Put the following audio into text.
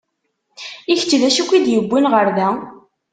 I kečč d acu i k-id-yewwin ɣer da?